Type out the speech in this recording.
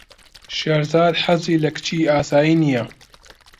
شێرزاد حەزی لە کچی ئاسایی نییە.